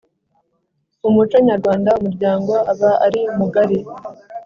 mu muco nyarwanda, umuryango aba ari mugari.